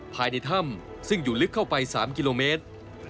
ภายในถ้ำซึ่งอยู่ลึกเข้าไป๓กิโลเมตร